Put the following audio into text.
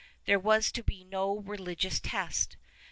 There was to be no religious test.